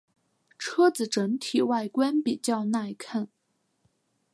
车子整体外观比较耐看。